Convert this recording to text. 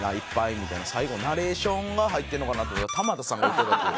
みたいな最後ナレーションが入ってるのかなと思ったら玉田さんが言ってたという。